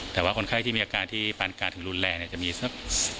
แต่ว่าคนไข้ที่มีอาการที่ปานการณ์ถึงรุนแรงจะมีสัก๑๕๒๐